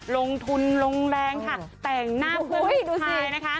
ลงทุนลงแรงค่ะแต่งหน้าเพื่อให้ดูเทนะคะ